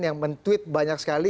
yang men tweet banyak sekali